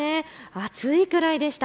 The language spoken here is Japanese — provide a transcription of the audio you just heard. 暑いくらいでした。